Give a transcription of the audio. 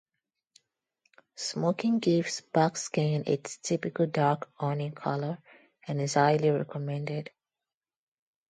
Smoking gives buckskin its typical dark honey color, and is highly recommended.